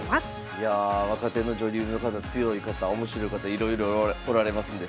いや若手の女流の方強い方面白い方いろいろおられますんで。